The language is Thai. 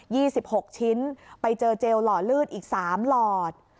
ี่สิบหกชิ้นไปเจอเจลหล่อลืดอีกสามหลอด